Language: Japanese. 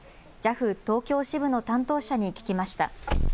ＪＡＦ東京支部の担当者に聞きました。